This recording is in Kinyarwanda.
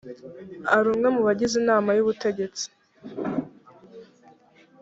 ari umwe mu bagize inama y ubutegetsi